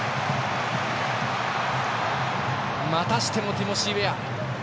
またしてもティモシー・ウェア。